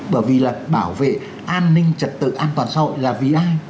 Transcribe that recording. bởi vì là bảo vệ an ninh trật tự an toàn xã hội là vì ai